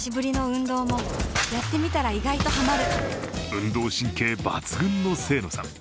運動神経抜群の清野さん。